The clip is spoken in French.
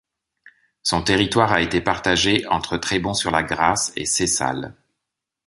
Son territoire a été partagé entre Trébons-sur-la-Grasse et Cessales.